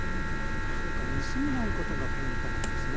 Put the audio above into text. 煮過ぎないことがポイントなんですね。